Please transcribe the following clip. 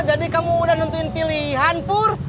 jadi kamu udah nuntuin pilihan pur